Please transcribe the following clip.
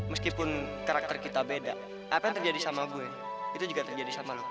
meskipun karakter kita beda apa yang terjadi sama gue ini itu juga terjadi sama lo